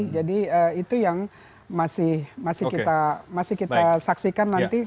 jadi itu yang masih kita saksikan nanti